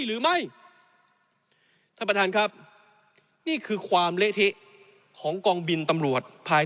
หรือไม่ท่านประธานครับนี่คือความเละเทะของกองบินตำรวจภาย